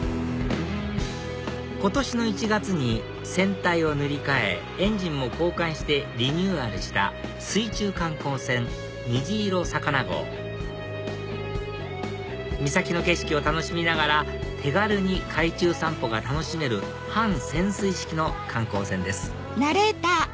今年の１月に船体を塗り替えエンジンも交換してリニューアルした水中観光船にじいろさかな号三崎の景色を楽しみながら手軽に海中散歩が楽しめる半潜水式の観光船です